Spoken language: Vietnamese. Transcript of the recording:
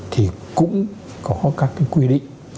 thì cũng có các cái quy định